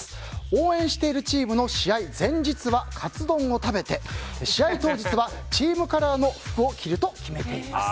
応援しているチームの試合前日はカツ丼を食べて試合当日はチームカラーの服を着ると決めています。